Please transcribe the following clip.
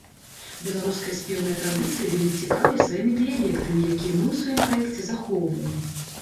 Беларуская спеўная традыцыя вельмі цікавая сваімі дыялектамі, якія мы ў сваім праекце захоўваем.